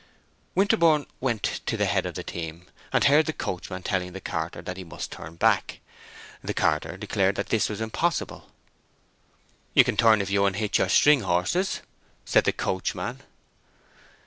Winterborne went to the head of the team, and heard the coachman telling the carter that he must turn back. The carter declared that this was impossible. "You can turn if you unhitch your string horses," said the coachman.